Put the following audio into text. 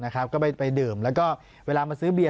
ก็ไปดื่มแล้วก็เวลาสื่อเบีย